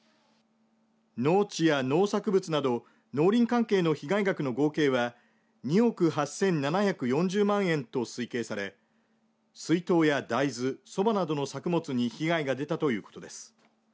農地や農作物など農林関係の被害額の合計は２億８７４０万円と推計され水稲や大豆、そばなどの農作物に被害が出たということです。